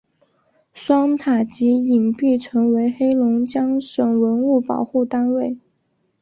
双塔及影壁成为黑龙江省文物保护单位。